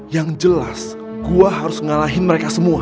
yang jelas gua harus ngalahin mereka semua